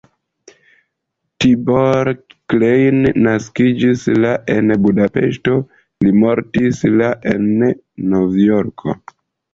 Tibor Klein naskiĝis la en Budapeŝto, li mortis la en Novjorko.